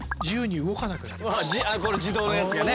自動のやつがね。